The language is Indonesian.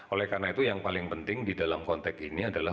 oleh karena itu yang paling penting di dalam konteks ini adalah